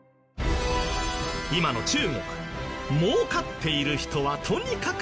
今の中国儲かっている人はとにかくケタ違い。